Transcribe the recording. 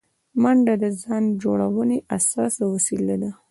منډه د ځان جوړونې اساسي وسیله ده